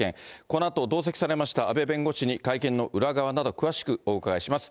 このあと、同席されました阿部弁護士に会見の裏側など、詳しくお伺いします。